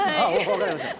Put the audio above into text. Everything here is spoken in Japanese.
分かりました。